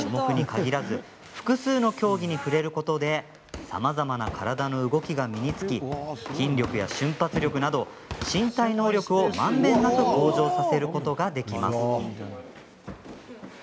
複数の競技に触れることでさまざまな体の動きが身につき筋力や瞬発力など身体能力をまんべんなく向上させることができます。